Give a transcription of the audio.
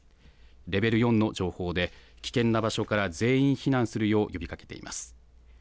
レベル４の情報で、危険な場所から全員避難するよう呼びかけています。